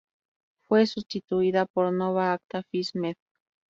Fue sustituida por "Nova Acta Phys.-Med.